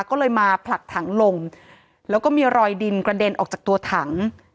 ก็เลยมาผลักถังลงแล้วก็มีรอยดินกระเด็นออกจากตัวถัง